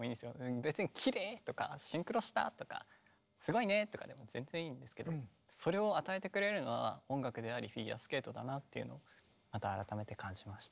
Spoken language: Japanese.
別にきれい！とかシンクロした！とかすごいね！とかでも全然いいんですけどそれを与えてくれるのは音楽でありフィギュアスケートだなっていうのをまた改めて感じました。